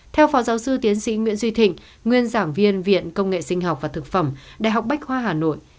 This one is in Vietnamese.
theo phó giáo sư tiến sĩ nguyễn duy thịnh nguyên giảng viên viện công nghệ sinh học và thực phẩm đại học bách khoa hà nội